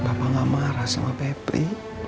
bapak gak marah sama pepe